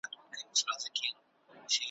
سم پر مځکه ولوېدی ژړ لکه نل سو `